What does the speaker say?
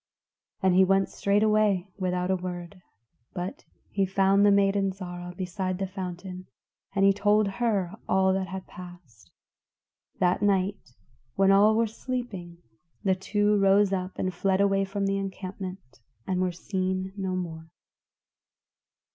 And he went straightway without a word, but he found the maiden, Zarah, beside the fountain, and he told her all that had passed. That night when all were sleeping, the two rose up and fled away from the encampment and were seen no more.